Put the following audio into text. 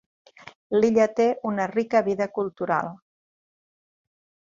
L'illa té una rica vida cultural.